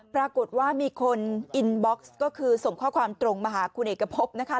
ปรากฏว่ามีคนอินบ็อกซ์ก็คือส่งข้อความตรงมาหาคุณเอกพบนะคะ